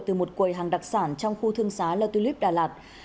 từ một quầy hàng đặc sản trong khu thương xá la tulip đà lạt